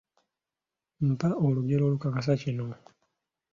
Mpa olugero olukakasa kino.